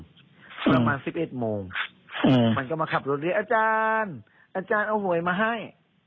ประมาณ๑๑โมงมันก็มาขับรถเรียกอาจารย์อาจารย์เอาหวยมาให้